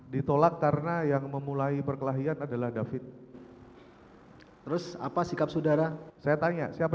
ditolak karena yang memulai perkelahian adalah david terus apa sikap saudara saya tanya siapa